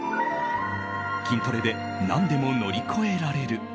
筋トレで何でも乗り越えられる。